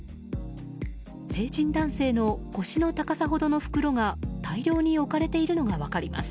成人男性の腰の高さほどの袋が大量に置かれているのが分かります。